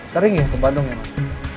sering ya ke bandung ya mas